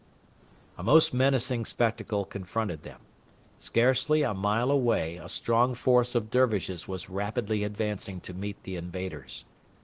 A most menacing spectacle confronted them. Scarcely a mile away a strong force of Dervishes was rapidly advancing to meet the invaders.